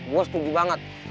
gue setuju banget